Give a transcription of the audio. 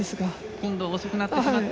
今度は遅くなってしまって。